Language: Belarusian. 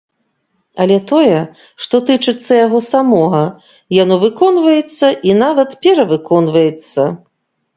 Але тое, што тычыцца яго самога, яно выконваецца і нават перавыконваецца.